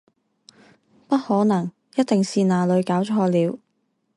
不可能，一定是哪裡搞錯了！